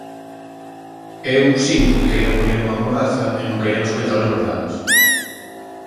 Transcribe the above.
Eu sinto que queiran poñer unha mordaza e non queiran escoitar as verdades.